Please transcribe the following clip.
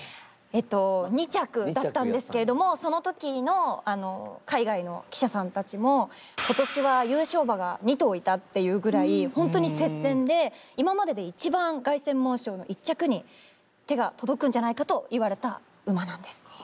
えっと２着だったんですけれどもその時の海外の記者さんたちもって言うぐらいほんとに接戦で「今までで一番凱旋門賞の１着に手が届くんじゃないか」と言われた馬なんです。